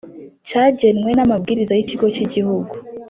cyagenwe n amabwiriza y Ikigo cyigihugu